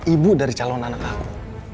ibu dari calon anak aku